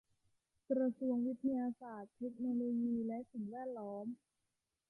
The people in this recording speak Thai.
กระทรวงวิทยาศาสตร์ เทคโนโลยี และสิ่งแวดล้อม